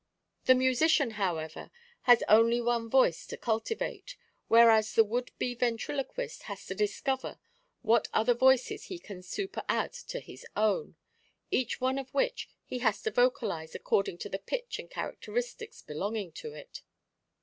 The musician, however, 12 maccabe's art of ventriloquism has only one voice to cultivate, whereas the would be ventrilo quist has to discover what other voices he can superadd to his own — each one of which he has to vocalize according to the pitch and characteristics belonging to it.